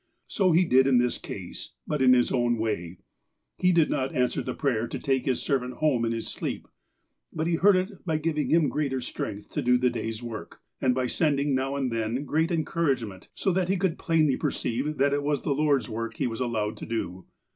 So He did in this case. But in His own way. He did not answer the prayer to take His servant home in his sleep. But He heard it by giving him greater strength to do the day's work, and by sending, now and then, great encouragement, so that he could plainly perceive that it was the Lord's work he was allowed to do.